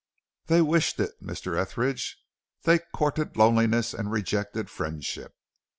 "'They wished it, Mr. Etheridge. They courted loneliness and rejected friendship.